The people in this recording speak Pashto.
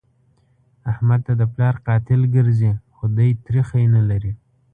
احمد ته د پلار قاتل ګرځي؛ خو دی تريخی نه لري.